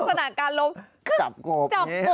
รักษณะการล้มจับกบ